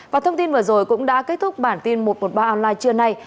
và thông tin vừa rồi cũng đã kết thúc bản tin một trăm một mươi ba online trưa nay